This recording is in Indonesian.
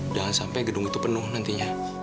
jangan sampai gedung itu penuh nantinya